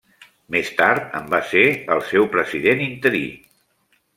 Més tard en va ser el seu president interí.